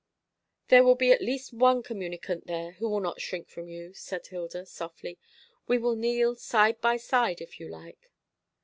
"There will at least be one communicant there who will not shrink from you," said Hilda softly. "We will kneel side by side, if you like."